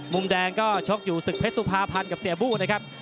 มุมแดงก็ชกอยู่ศึกเพชรสุภาพันธ์กับเสียบู้นะครับ